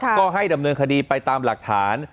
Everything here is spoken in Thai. ก็ให้ดำเนินคดีไปตามหลักฐาน